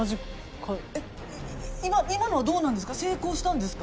今のはどうなんですか？